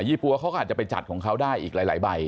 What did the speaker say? ี่ปั๊วเขาก็อาจจะไปจัดของเขาได้อีกหลายใบ